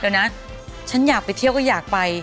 เดี๋ยวนะฉันอยากไปเที่ยวก็อยากไป